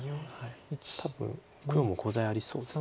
多分黒もコウ材ありそうです